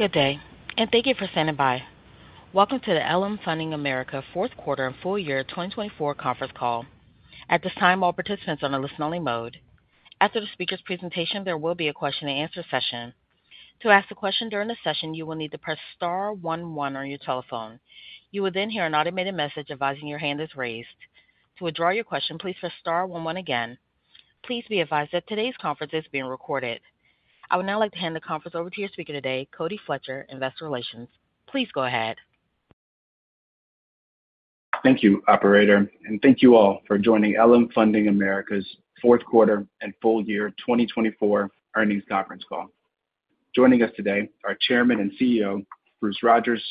Good day, and thank you for standing by. Welcome to the LM Funding America Fourth Quarter and Full Year 2024 Conference Call. At this time, all participants are in a listen-only mode. After the speaker's presentation, there will be a question-and-answer session. To ask a question during the session, you will need to press star one one on your telephone. You will then hear an automated message advising your hand is raised. To withdraw your question, please press star one one again. Please be advised that today's conference is being recorded. I would now like to hand the conference over to your speaker today, Cody Fletcher, Investor Relations. Please go ahead. Thank you, Operator, and thank you all for joining LM Funding America's Fourth Quarter and Full Year 2024 Earnings Conference Call. Joining us today are Chairman and CEO Bruce Rodgers,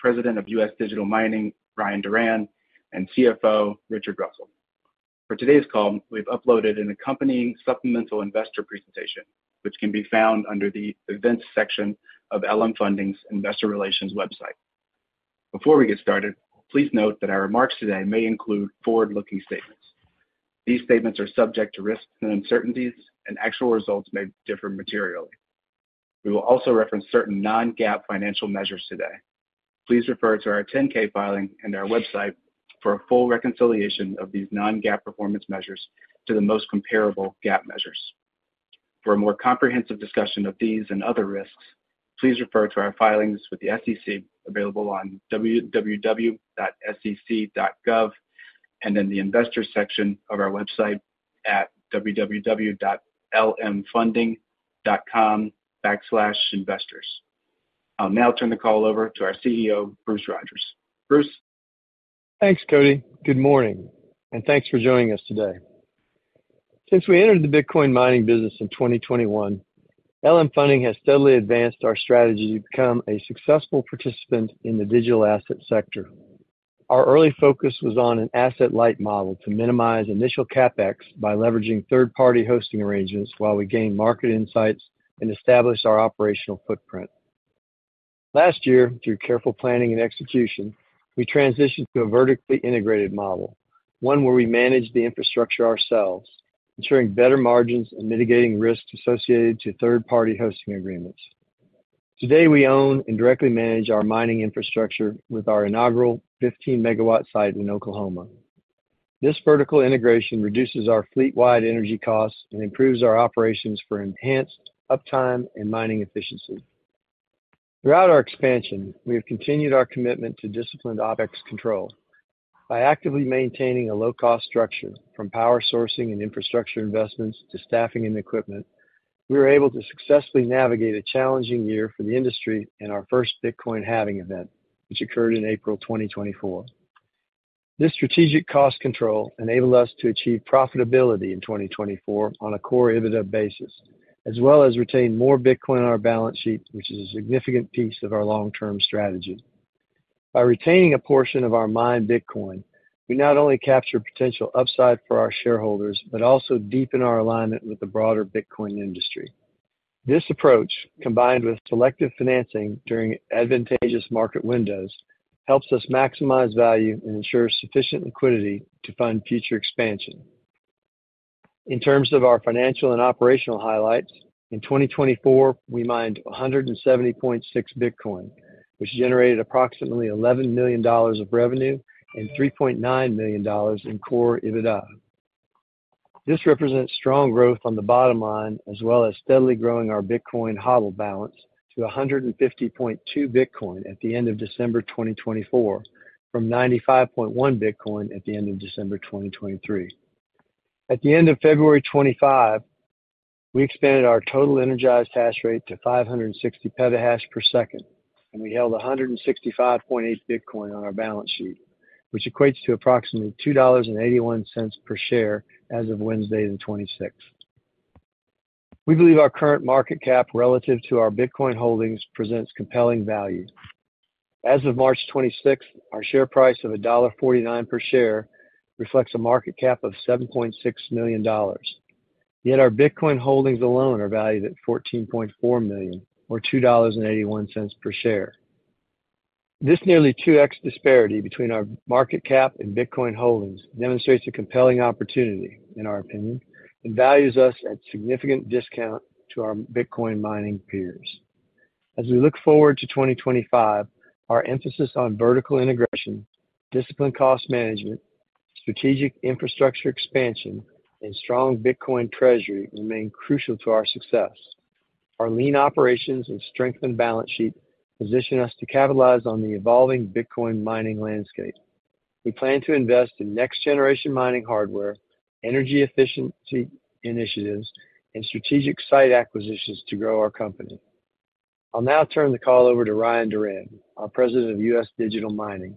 President of U.S. Digital Mining Ryan Duran, and CFO Richard Russell. For today's call, we have uploaded an accompanying supplemental investor presentation, which can be found under the Events section of LM Funding's Investor Relations website. Before we get started, please note that our remarks today may include forward-looking statements. These statements are subject to risks and uncertainties, and actual results may differ materially. We will also reference certain non-GAAP financial measures today. Please refer to our 10-K filing and our website for a full reconciliation of these non-GAAP performance measures to the most comparable GAAP measures. For a more comprehensive discussion of these and other risks, please refer to our filings with the SEC available on www.sec.gov and in the Investors section of our website at www.lmfunding.com/investors. I'll now turn the call over to our CEO, Bruce Rodgers. Bruce. Thanks, Cody. Good morning, and thanks for joining us today. Since we entered the Bitcoin mining business in 2021, LM Funding has steadily advanced our strategy to become a successful participant in the digital asset sector. Our early focus was on an asset-light model to minimize initial CapEx by leveraging third-party hosting arrangements while we gain market insights and establish our operational footprint. Last year, through careful planning and execution, we transitioned to a vertically integrated model, one where we manage the infrastructure ourselves, ensuring better margins and mitigating risks associated with third-party hosting agreements. Today, we own and directly manage our mining infrastructure with our inaugural 15-megawatt site in Oklahoma. This vertical integration reduces our fleet-wide energy costs and improves our operations for enhanced uptime and mining efficiency. Throughout our expansion, we have continued our commitment to disciplined OpEx control. By actively maintaining a low-cost structure, from power sourcing and infrastructure investments to staffing and equipment, we were able to successfully navigate a challenging year for the industry and our first Bitcoin halving event, which occurred in April 2024. This strategic cost control enabled us to achieve profitability in 2024 on a Core EBITDA basis, as well as retain more Bitcoin on our balance sheet, which is a significant piece of our long-term strategy. By retaining a portion of our mined Bitcoin, we not only capture potential upside for our shareholders but also deepen our alignment with the broader Bitcoin industry. This approach, combined with selective financing during advantageous market windows, helps us maximize value and ensure sufficient liquidity to fund future expansion. In terms of our financial and operational highlights, in 2024, we mined 170.6 Bitcoin, which generated approximately $11 million of revenue and $3.9 million in Core EBITDA. This represents strong growth on the bottom line, as well as steadily growing our Bitcoin HODL balance to 150.2 Bitcoin at the end of December 2024, from 95.1 Bitcoin at the end of December 2023. At the end of February 2025, we expanded our total energized hashrate to 560 PH/s, and we held 165.8 Bitcoin on our balance sheet, which equates to approximately $2.81 per share as of Wednesday, the 26th. We believe our current market cap relative to our Bitcoin holdings presents compelling value. As of March 26th, our share price of $1.49 per share reflects a market cap of $7.6 million. Yet, our Bitcoin holdings alone are valued at $14.4 million, or $2.81 per share. This nearly 2x disparity between our market cap and Bitcoin holdings demonstrates a compelling opportunity, in our opinion, and values us at a significant discount to our Bitcoin mining peers. As we look forward to 2025, our emphasis on vertical integration, disciplined cost management, strategic infrastructure expansion, and strong Bitcoin treasury remain crucial to our success. Our lean operations and strengthened balance sheet position us to capitalize on the evolving Bitcoin mining landscape. We plan to invest in next-generation mining hardware, energy efficiency initiatives, and strategic site acquisitions to grow our company. I'll now turn the call over to Ryan Duran, our President of U.S. Digital Mining,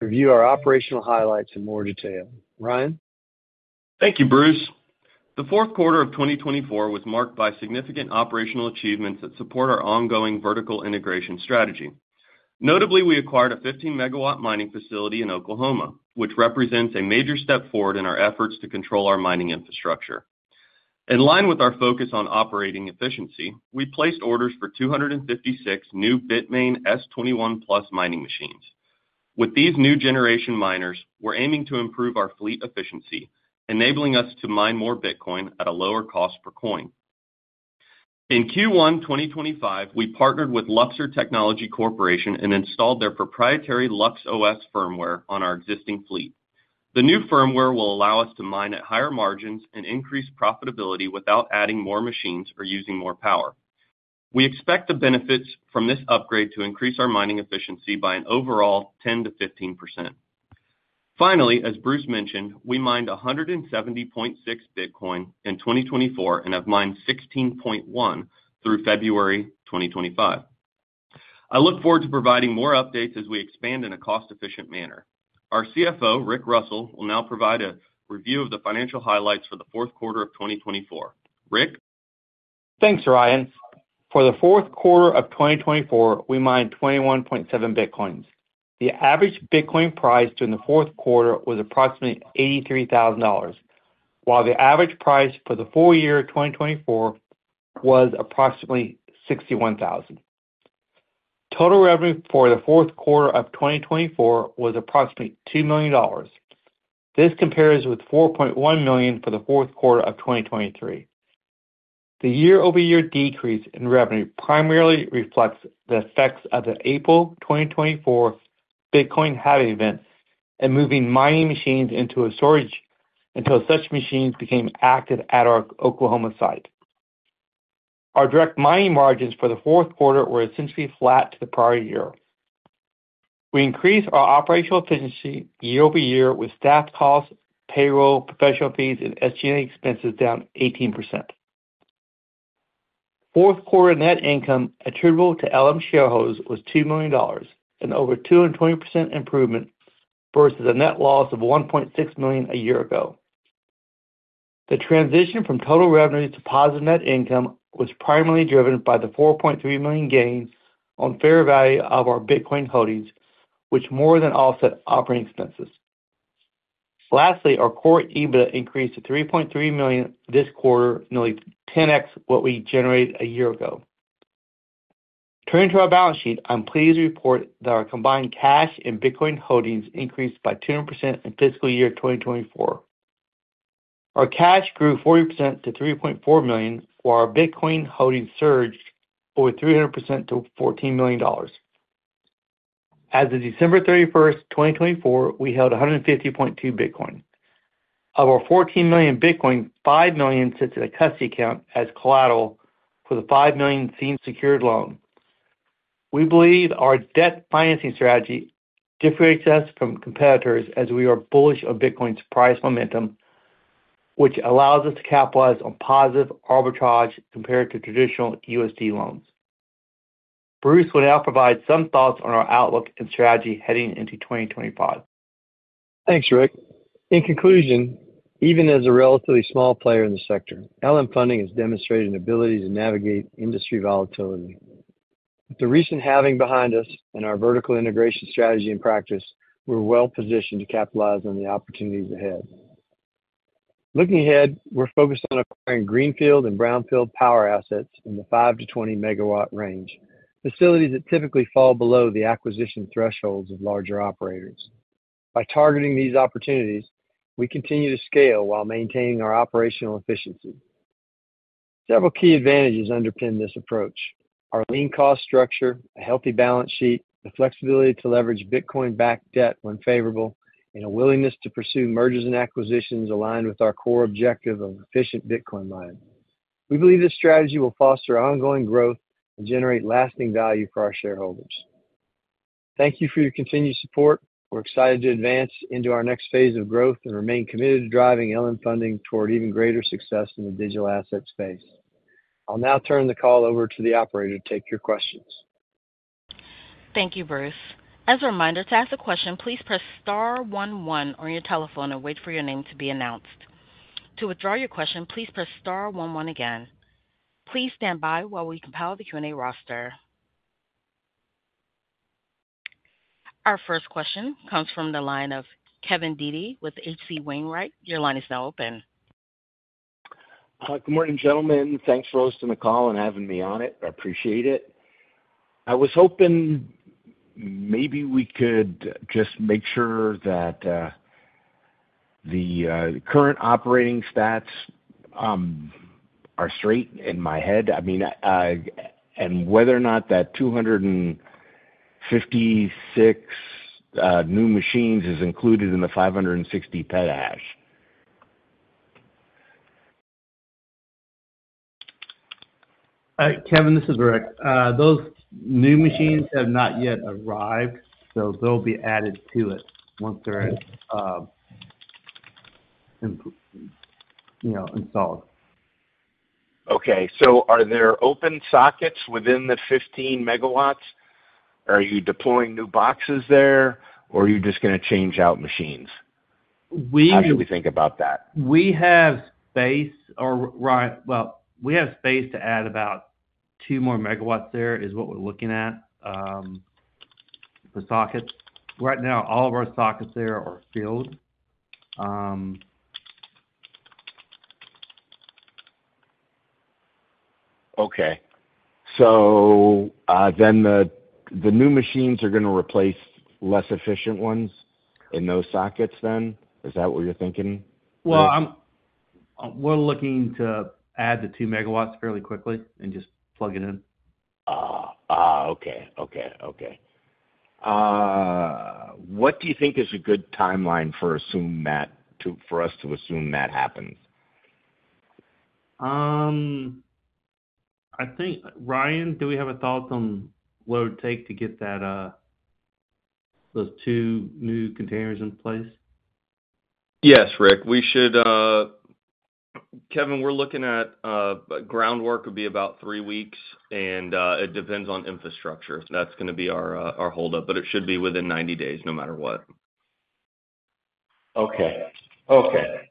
to review our operational highlights in more detail. Ryan? Thank you, Bruce. The fourth quarter of 2024 was marked by significant operational achievements that support our ongoing vertical integration strategy. Notably, we acquired a 15-megawatt mining facility in Oklahoma, which represents a major step forward in our efforts to control our mining infrastructure. In line with our focus on operating efficiency, we placed orders for 256 new Bitmain S21 Plus mining machines. With these new generation miners, we're aiming to improve our fleet efficiency, enabling us to mine more Bitcoin at a lower cost per coin. In Q1 2025, we partnered with Luxor Technology Corporation and installed their proprietary LuxOS firmware on our existing fleet. The new firmware will allow us to mine at higher margins and increase profitability without adding more machines or using more power. We expect the benefits from this upgrade to increase our mining efficiency by an overall 10%-15%. Finally, as Bruce mentioned, we mined 170.6 Bitcoin in 2024 and have mined 16.1 through February 2025. I look forward to providing more updates as we expand in a cost-efficient manner. Our CFO, Richard Russell, will now provide a review of the financial highlights for the fourth quarter of 2024. Rick? Thanks, Ryan. For the fourth quarter of 2024, we mined 21.7 Bitcoins. The average Bitcoin price during the fourth quarter was approximately $83,000, while the average price for the full year 2024 was approximately $61,000. Total revenue for the fourth quarter of 2024 was approximately $2 million. This compares with $4.1 million for the fourth quarter of 2023. The year-over-year decrease in revenue primarily reflects the effects of the April 2024 Bitcoin halving event and moving mining machines into storage until such machines became active at our Oklahoma site. Our direct mining margins for the fourth quarter were essentially flat to the prior year. We increased our operational efficiency year-over-year with staff costs, payroll, professional fees, and SG&A expenses down 18%. Fourth quarter net income attributable to LM shareholders was $2 million, an over 220% improvement versus a net loss of $1.6 million a year ago. The transition from total revenue to positive net income was primarily driven by the $4.3 million gain on fair value of our Bitcoin holdings, which more than offset operating expenses. Lastly, our Core EBITDA increased to $3.3 million this quarter, nearly 10x what we generated a year ago. Turning to our balance sheet, I'm pleased to report that our combined cash and Bitcoin holdings increased by 200% in fiscal year 2024. Our cash grew 40% to $3.4 million, while our Bitcoin holdings surged over 300% to $14 million. As of December 31st, 2024, we held 150.2 Bitcoin. Of our $14 million Bitcoin, $5 million sits in a custody account as collateral for the $5 million senior secured loan. We believe our debt financing strategy differentiates us from competitors as we are bullish on Bitcoin's price momentum, which allows us to capitalize on positive arbitrage compared to traditional USD loans. Bruce will now provide some thoughts on our outlook and strategy heading into 2025. Thanks, Rick. In conclusion, even as a relatively small player in the sector, LM Funding has demonstrated an ability to navigate industry volatility. With the recent halving behind us and our vertical integration strategy in practice, we're well positioned to capitalize on the opportunities ahead. Looking ahead, we're focused on acquiring greenfield and brownfield power assets in the 5-20 megawatt range, facilities that typically fall below the acquisition thresholds of larger operators. By targeting these opportunities, we continue to scale while maintaining our operational efficiency. Several key advantages underpin this approach: our lean cost structure, a healthy balance sheet, the flexibility to leverage Bitcoin-backed debt when favorable, and a willingness to pursue mergers and acquisitions aligned with our core objective of efficient Bitcoin mining. We believe this strategy will foster ongoing growth and generate lasting value for our shareholders. Thank you for your continued support. We're excited to advance into our next phase of growth and remain committed to driving LM Funding toward even greater success in the digital asset space. I'll now turn the call over to the operator to take your questions. Thank you, Bruce. As a reminder, to ask a question, please press star one one on your telephone and wait for your name to be announced. To withdraw your question, please press star one one again. Please stand by while we compile the Q&A roster. Our first question comes from the line of Kevin Dede with H.C. Wainwright. Your line is now open. Good morning, gentlemen. Thanks, Bruce, for the call and having me on it. I appreciate it. I was hoping maybe we could just make sure that the current operating stats are straight in my head, I mean, and whether or not that 256 new machines is included in the 560 petahash. Kevin, this is Rick. Those new machines have not yet arrived, so they'll be added to it once they're installed. Okay. Are there open sockets within the 15 megawatts? Are you deploying new boxes there, or are you just going to change out machines? How should we think about that? We have space, or, well, we have space to add about two more megawatts. There is what we're looking at for sockets. Right now, all of our sockets there are filled. Okay. So then the new machines are going to replace less efficient ones in those sockets then? Is that what you're thinking? We're looking to add the two megawatts fairly quickly and just plug it in. Okay. Okay. Okay. What do you think is a good timeline for us to assume that happens? I think, Ryan, do we have a thought on what it would take to get those two new containers in place? Yes, Rick. Kevin, we're looking at groundwork would be about three weeks, and it depends on infrastructure. That's going to be our hold-up, but it should be within 90 days no matter what. Okay. Okay.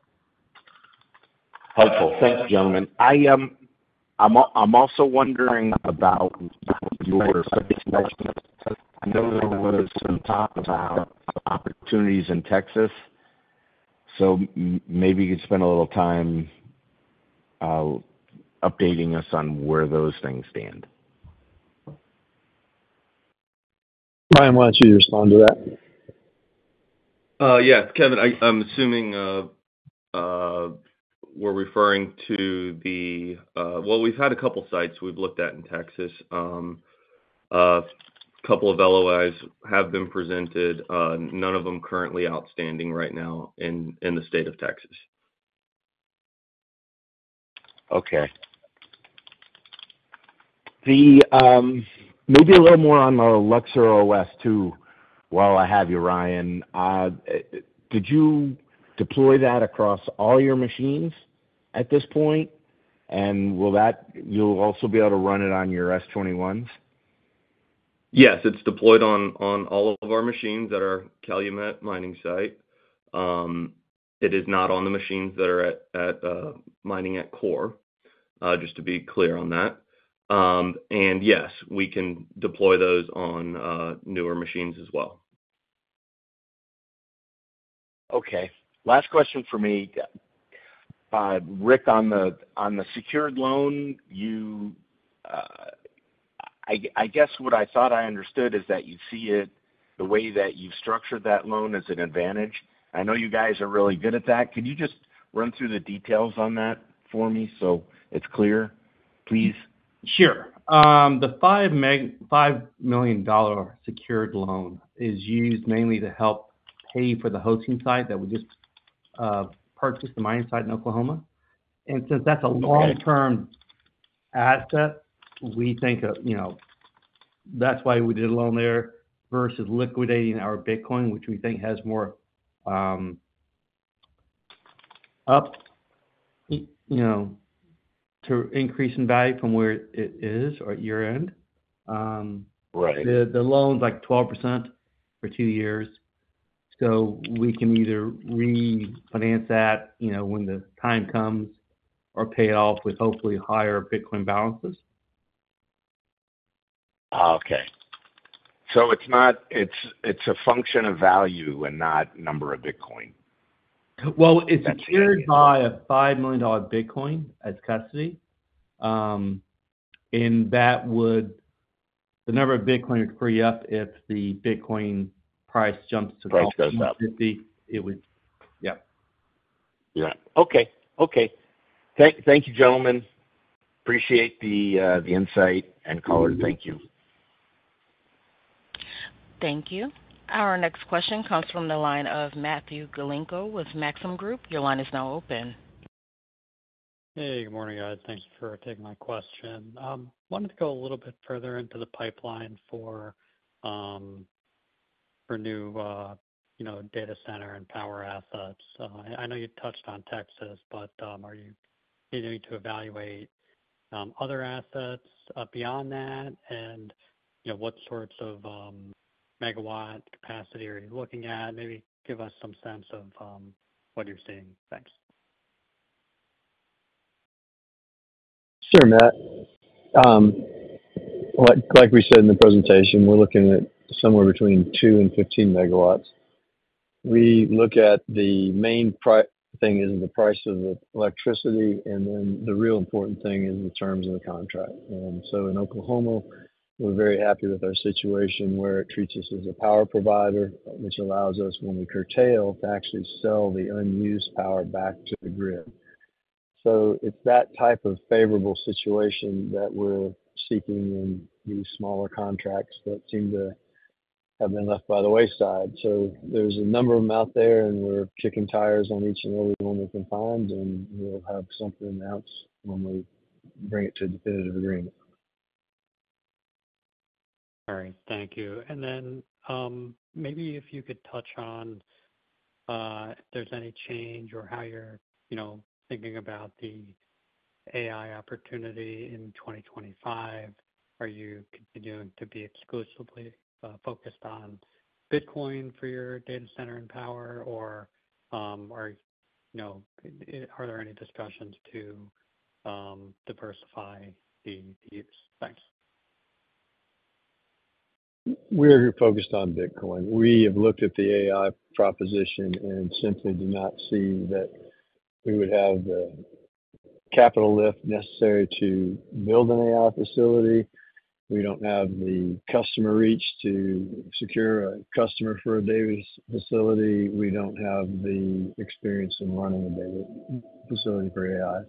Helpful. Thanks, gentlemen. I'm also wondering about deliveries of expansion, your opportunities in Texas. Maybe you could spend a little time updating us on where those things stand. Ryan, why don't you respond to that? Yeah. Kevin, I'm assuming we're referring to the—well, we've had a couple of sites we've looked at in Texas. A couple of LOIs have been presented. None of them currently outstanding right now in the state of Texas. O`kay. Maybe a little more on the LuxOS too, while I have you, Ryan. Did you deploy that across all your machines at this point? Will you also be able to run it on your S21s? Yes. It is deployed on all of our machines at our Calumet mining site. It is not on the machines that are mining at Core, just to be clear on that. Yes, we can deploy those on newer machines as well. Okay. Last question for me. Rick, on the secured loan, I guess what I thought I understood is that you see it the way that you've structured that loan as an advantage. I know you guys are really good at that. Can you just run through the details on that for me so it's clear, please? Sure. The $5 million secured loan is used mainly to help pay for the hosting site that we just purchased, the mining site in Oklahoma. Since that's a long-term asset, we think that's why we did a loan there versus liquidating our Bitcoin, which we think has more up to increase in value from where it is or at year end. The loan's like 12% for two years. We can either refinance that when the time comes or pay it off with hopefully higher Bitcoin balances. Okay. So it's a function of value and not number of Bitcoin? It is secured by a $5 million Bitcoin as custody. And the number of Bitcoin would free up if the Bitcoin price jumps to $250. Price goes up. Yeah. Yeah. Okay. Okay. Thank you, gentlemen. Appreciate the insight and caller. Thank you. Thank you. Our next question comes from the line of Matthew Galinko with Maxim Group. Your line is now open. Hey, good morning, guys. Thanks for taking my question. Wanted to go a little bit further into the pipeline for new data center and power assets. I know you touched on Texas, but are you continuing to evaluate other assets beyond that? What sorts of megawatt capacity are you looking at? Maybe give us some sense of what you're seeing. Thanks. Sure, Matt. Like we said in the presentation, we're looking at somewhere between 2 and 15 megawatts. We look at the main thing is the price of the electricity, and then the real important thing is the terms of the contract. In Oklahoma, we're very happy with our situation where it treats us as a power provider, which allows us, when we curtail, to actually sell the unused power back to the grid. It is that type of favorable situation that we're seeking in these smaller contracts that seem to have been left by the wayside. There are a number of them out there, and we're kicking tires on each and every one we can find, and we'll have something announced when we bring it to a definitive agreement. All right. Thank you. Maybe if you could touch on if there's any change or how you're thinking about the AI opportunity in 2025. Are you continuing to be exclusively focused on Bitcoin for your data center and power, or are there any discussions to diversify the use? Thanks. We're focused on Bitcoin. We have looked at the AI proposition and simply do not see that we would have the capital lift necessary to build an AI facility. We don't have the customer reach to secure a customer for a data facility. We don't have the experience in running a data facility for AI.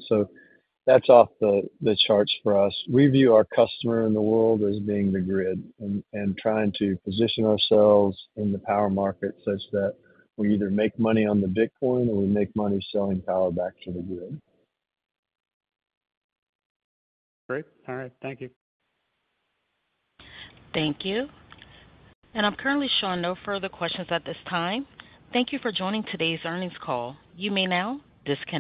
That's off the charts for us. We view our customer in the world as being the grid and trying to position ourselves in the power market such that we either make money on the Bitcoin or we make money selling power back to the grid. Great. All right. Thank you. Thank you. I am currently showing no further questions at this time. Thank you for joining today's earnings call. You may now disconnect.